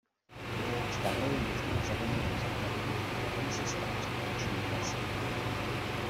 Stále je možné za doménu zaplatit a tím se stát skutečným vlastníkem.